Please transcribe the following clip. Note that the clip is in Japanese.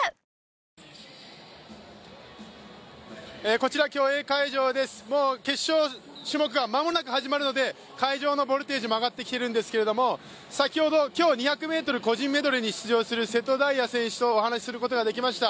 こちら競泳会場です、決勝種目が間もなく始まるので会場のボルテージも上がってきているんですけれども、先ほど今日、２００ｍ個人メドレーに出場する瀬戸大也選手とお話視することができました。